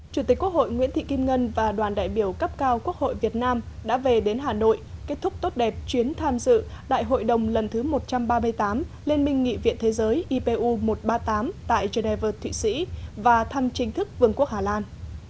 chủ tịch quốc hội nguyễn thị kim ngân và đoàn đại biểu cấp cao quốc hội việt nam đã về đến hà nội kết thúc tốt đẹp chuyến tham dự đại hội đồng lần thứ một trăm ba mươi tám liên minh nghị viện thế giới ipu một trăm ba mươi tám tại geneva thụy sĩ và thăm chính thức vương quốc hà lan